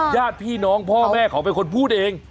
ญาติพี่น้องพ่อแม่เขาเป็นคนพูดเอง